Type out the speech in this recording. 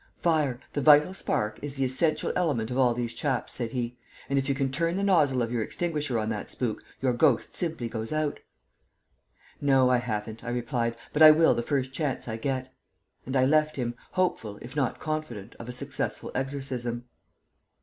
"Fire, the vital spark, is the essential element of all these chaps," said he, "and if you can turn the nozzle of your extinguisher on that spook your ghost simply goes out." "No, I haven't," I replied; "but I will the first chance I get." And I left him, hopeful if not confident of a successful exorcism.